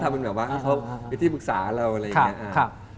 ก็จะเป็นแบบว่ามีที่ปรึกษาเราอะไรอย่างนี้